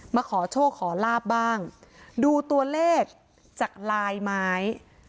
มาขอโชคขอลาบบ้างดูตัวเลขจากลายไม้